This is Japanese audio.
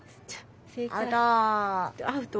アウト。